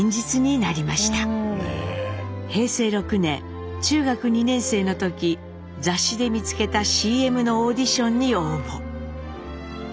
平成６年中学２年生の時雑誌で見つけたＣＭのオーディションに応募。